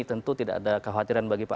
tentu tidak ada kekhawatiran bagi pak